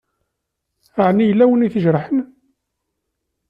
Ɛni yella win i d-ijerḥen?